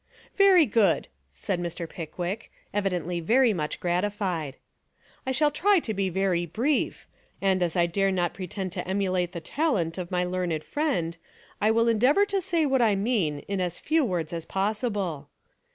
"Very good," said Mr. Pickwick, evidently very much gratified. "I shall try to be very brief and, as I dare not pretend to emulate the talent of my learned friend, I will en deavour to say what I mean in as few words as possible."